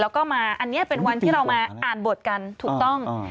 แล้วก็มาอันนี้เป็นวันที่เรามาอ่านบดกัน